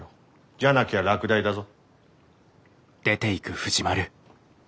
じゃなきゃ落第だぞ。